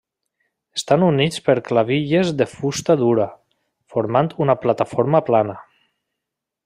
Estan units per clavilles de fusta dura, formant una plataforma plana.